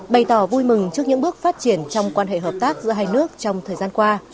bày tỏ vui mừng trước những bước phát triển trong quan hệ hợp tác giữa hai nước trong thời gian qua